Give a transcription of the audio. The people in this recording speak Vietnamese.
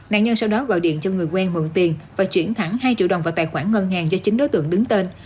nạn nhân sau đó gọi điện cho người quen mượn tiền và chuyển thẳng hai triệu đồng vào tài khoản ngân hàng do chính đối tượng đứng tên